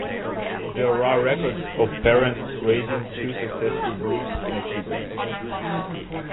There are records of parents raising two successful broods in a season.